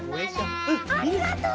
ありがとう！